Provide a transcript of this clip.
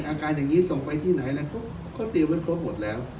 อาการอย่างนี้ส่งไปที่ไหนเขาเตรียมไว้ครบหมดแล้ว